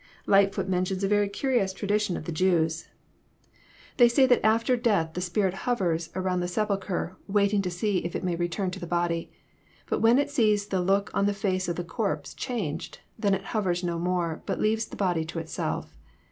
Lightfoot mentions a very curious tradition of the Jew&i I k 284 EXPOSITOBY THOUGHrS, "They say after death the spirit hovers about the sepalchre, waiting to see if it may return to the body. But when it sees the look of the face of the corpse changed, then it hovers no more, but leaves the body to itself."